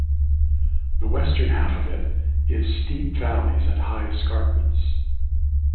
The western half of it is steep valleys and high escarpments.